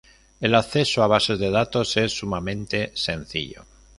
El acceso a bases de datos es sumamente sencillo.